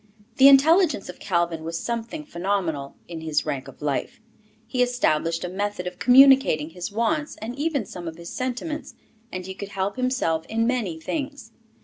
The intelligence of Calvin was something phenomenal, in his rank of life. He established a method of communicating his wants, and even some of his sentiments; and he could help himself in many things.